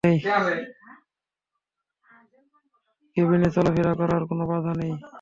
কেবিনে চলাফেরা করায় কোন বাধা নেই।